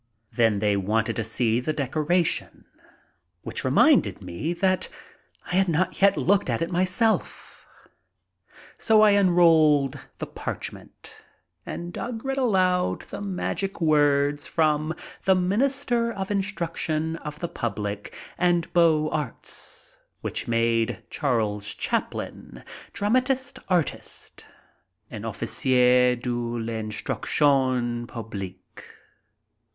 Then they wanted to see the decoration, which reminded me that I had not yet looked at it myself. So I unrolled the parchment and Doug read aloud the magic words from the Minister of Instruction of the Public and Beaux Arts which made Charles Chaplin, dramatist artist, an Officier de Uinstruction Publique.